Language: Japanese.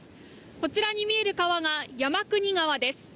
こちらに見える川が山国川です。